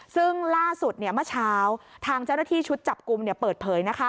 ซึ่งล่าสุดเมื่อเช้าทางเจ้าหน้าที่ชุดจับกลุ่มเปิดเผย